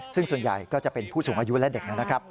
ซึ่งส่วนใหญ่ก็จะเป็นผู้สูงอายุและเด็กนะครับ